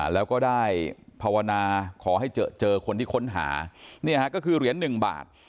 แล้วก็ได้ภาวนาขอให้เจอคนที่ค้นหานี่ฮะก็คือเหรียญหนึ่งบาท